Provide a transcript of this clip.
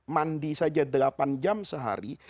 mandi saja delapan jam sehari